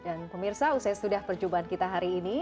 dan pemirsa usai sudah percubaan kita hari ini